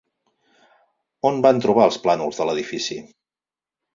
On van trobar els plànols de l'edifici?